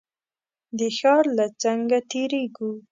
د ښار له څنګ تېرېږو.